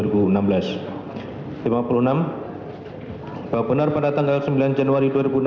bahwa benar pada tanggal sembilan januari dua ribu enam belas